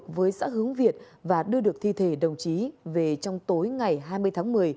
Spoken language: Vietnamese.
với xã hướng việt và đưa được thi thể đồng chí về trong tối ngày hai mươi tháng một mươi